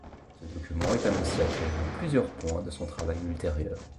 Ce document est annonciateur en plusieurs points de son travail ultérieur.